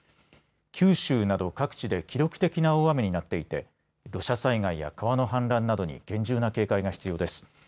九州など各地で記録的な大雨になっていて土砂災害や川の氾濫などに厳重な警戒が必要です。